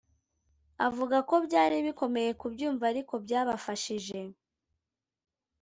avuga ko byari bikomeye kubyumva ariko byabafashije